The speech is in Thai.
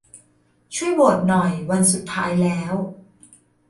ช่วยโหวตหน่อย วันสุดท้ายแล้ว